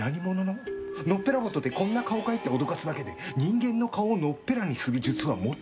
のっぺらぼうとて「こんな顔かい？」っておどかすだけで人間の顔をのっぺらにする術は持ってないはず。